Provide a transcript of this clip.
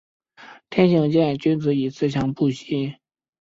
玛丽亚萨尔是奥地利克恩顿州克拉根福兰县的一个市镇。